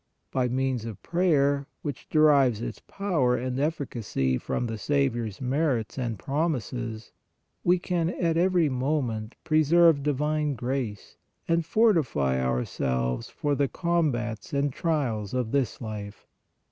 By means of prayer, which derives its power and efficacy from the Saviour s merits and promises, we can at every moment pre serve divine grace and fortify ourselves for the com bats and trials of this life.